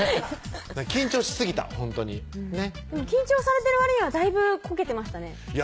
緊張しすぎたほんとにねっ緊張されてるわりにはだいぶこけてましたね